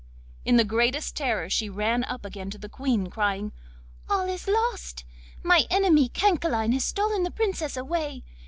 In the greatest terror she ran up again to the Queen, crying: 'All is lost! my enemy Cancaline has stolen the Princess away.